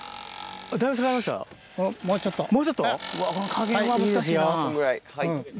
加減が難しいな。